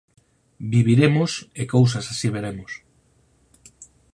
Viviremos e cousas así veremos.